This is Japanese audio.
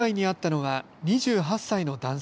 被害に遭ったのは２８歳の男性。